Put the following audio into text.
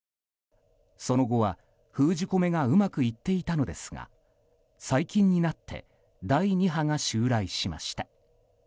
その後は、封じ込めがうまくいっていたのですが最近になって第２波が襲来しました。